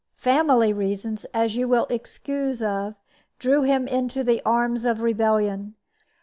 Family reasons, as you will excoose of, drew him to the arms of rebellion.